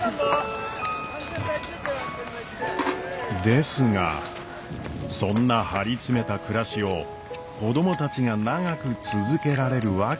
ですがそんな張り詰めた暮らしを子供たちが長く続けられるわけはなく。